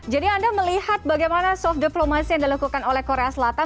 jadi anda melihat bagaimana soft diplomasi yang dilakukan oleh korea selatan